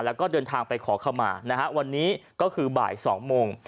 แล้วก็เดินทางไปขอเข้ามานะฮะวันนี้ก็คือบ่าย๒โมง